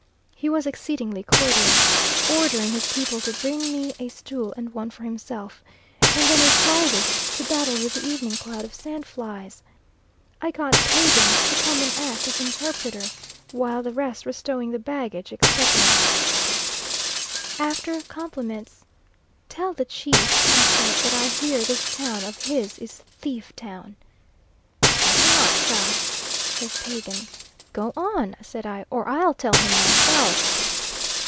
He was exceedingly courteous, ordering his people to bring me a stool and one for himself, and then a fly whisk to battle with the evening cloud of sand flies. I got Pagan to come and act as interpreter while the rest were stowing the baggage, etc. After compliments, "Tell the chief," I said, "that I hear this town of his is thief town." "Better not, sir," says Pagan. "Go on," said I, "or I'll tell him myself."